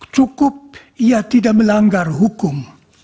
cukup ia tidak melanggar hukum